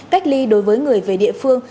cách ly đối với người về địa phương